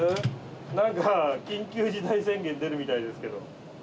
なんか緊急事態宣言出るみたいですけど。